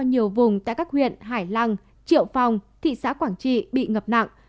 nhiều vùng tại các huyện hải lăng triệu phong thị xã quảng trị bị ngập nặng